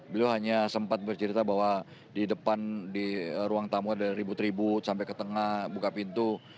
beliau hanya sempat bercerita bahwa di depan di ruang tamu ada ribut ribut sampai ke tengah buka pintu